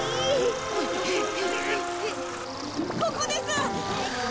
ここです！